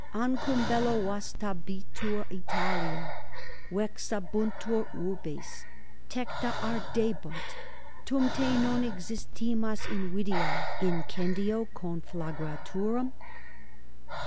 An cum bello vastabitur Italia, vexabuntur urbes, tecta ardebunt, tum te non existimas invidiae incendio conflagraturum?'